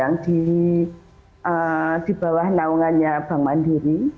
yang di bawah naungannya bank mandiri